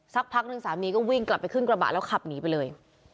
สักพักนึงสามีก็วิ่งกลับไปขึ้นกระบะแล้วขับหนีไปเลย